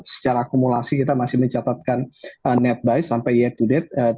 secara akumulasi kita masih mencatatkan netbuy sampai yeay to date